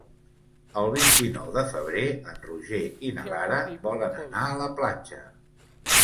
El vint-i-nou de febrer en Roger i na Lara volen anar a la platja.